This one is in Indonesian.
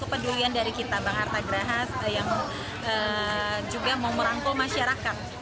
kepedulian dari kita bang artagraha yang juga mau merangkul masyarakat